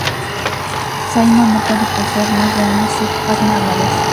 Simon no puede poseer más de una sub-arma a la vez.